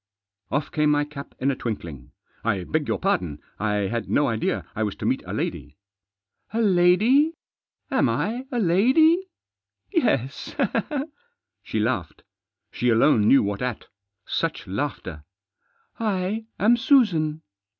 Off came my cap in a twinkling. " I beg your pardon. I had no idea I was to meet a lady." " A lady? Am I a lady ? Yes ?" She laughed. She alone knew what at. Such laughter! "I am Susan."